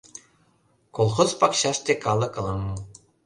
Колхоз пакчаште калык лыҥ.